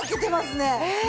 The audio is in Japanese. ねえ。